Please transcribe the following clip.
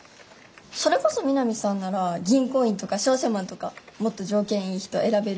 それこそ美波さんなら銀行員とか商社マンとかもっと条件いい人選べるのに。